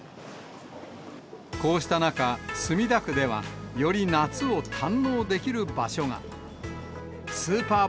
こうした中、墨田区ではより夏を堪能できる場所が。